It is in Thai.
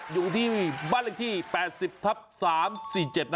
อยู่ที่บ้านอีกที่๘๐๓๔๗